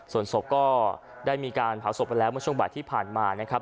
ส่วนศพก็ได้มีการเผาศพไปแล้วเมื่อช่วงบ่ายที่ผ่านมานะครับ